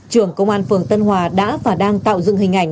trưởng công an phường tân hòa đã và đang tạo dựng hình ảnh